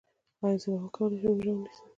ایا زه به وکولی شم روژه ونیسم؟